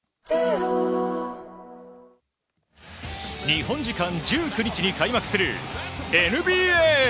日本時間１９日に開幕するＮＢＡ。